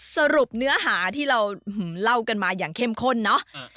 สรุปเนื้อหาที่เราเล่ากันมาอย่างเข้มข้นเนาะ